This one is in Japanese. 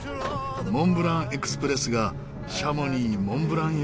モンブラン・エクスプレスがシャモニー・モンブラン駅に到着しました。